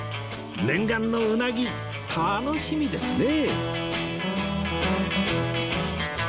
念願のうなぎ楽しみですね